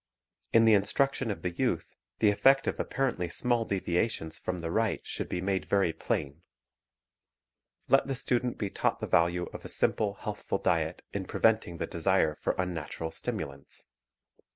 In the instruction of the youth the effect of apparently small deviations from the right should be made very plain. Let the student be taught the value of a simple, healthful diet in preventing the desire for unnatural stimulants.